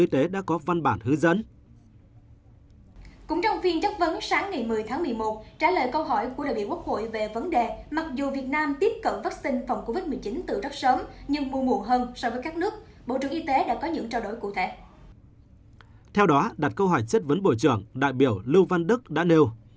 theo đó đặt câu hỏi chất vấn bộ trưởng đại biểu lưu văn đức đã nêu